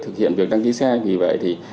thực hiện việc đăng ký xe vì vậy thì